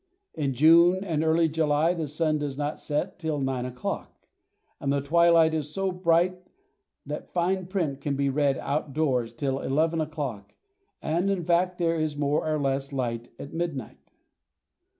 In June and early July the sun does not set till nine o'clock, and the twilight is so bright that fine print can be read out doors till eleven o'clock, and in fact there is more or less light at midnight.